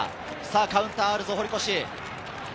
カウンターがあるぞ、堀越。